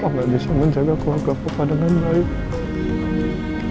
pak gak bisa menjaga keluarga papa dengan baik